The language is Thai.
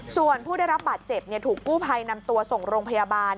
ส่วนผู้ได้รับบาดเจ็บถูกกู้ภัยนำตัวส่งโรงพยาบาล